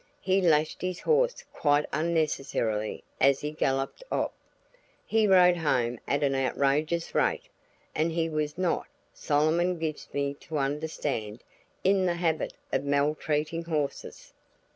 He lashed his horse quite unnecessarily as he galloped off. He rode home at an outrageous rate. And he was not, Solomon gives me to understand, in the habit of maltreating horses.